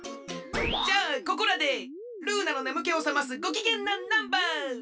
じゃあここらでルーナのねむけをさますごきげんなナンバー！